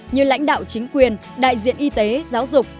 như lãnh đạo chính quyền đại diện y tế giáo dục